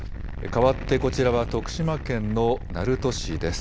かわってこちらは徳島県の鳴門市です。